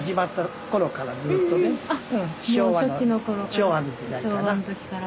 昭和の時から。